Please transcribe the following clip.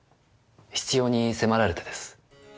必要に迫られてです。